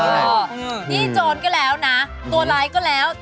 อันนี้โจ๊นก็แล้วนะตัวไลก์ก็แล้ว